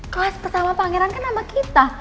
kelas pertama pangeran kan sama kita